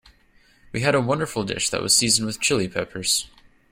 We had a wonderful dish that was seasoned with Chili Peppers.